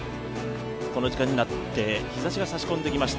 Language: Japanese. この時間になって日ざしが差し込んできました。